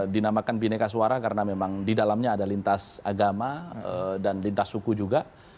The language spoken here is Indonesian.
dinamakan bineka suara karena memang di dalamnya ada lintas agama dan lintas suku juga